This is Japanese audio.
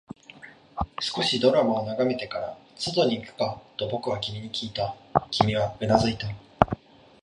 少しドラマを眺めてから、外に行くかと僕は君にきいた、君はうなずいた